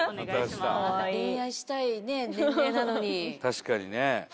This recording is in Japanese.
確かにね。